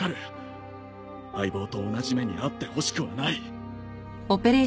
相棒と同じ目に遭ってほしくはない。